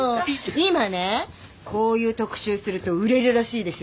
今ねこういう特集すると売れるらしいですよ